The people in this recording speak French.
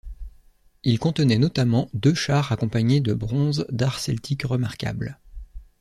Il contenait notamment deux chars accompagnés de bronze d'art celtique remarquables.